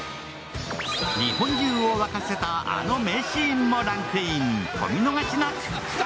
日本中を沸かせたあの名シーンもランクインお見逃しなく侍